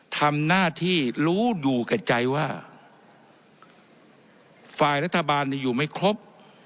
ทำหน้าที่รู้อยู่กับใจว่าฝ่ายรัฐบาลอยู่ไม่ครบ